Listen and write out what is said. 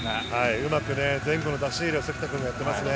うまく前後の出し入れを関田君がしていますね。